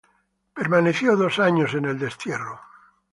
Dos años permaneció en el destierro.